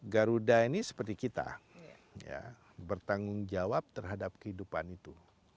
garuda ini seperti kita bertanggung jawab terhadap kehidupan itu